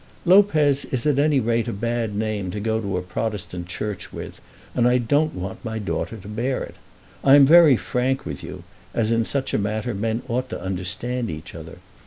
"Lopez is at any rate a bad name to go to a Protestant church with, and I don't want my daughter to bear it. I am very frank with you, as in such a matter men ought to understand each other.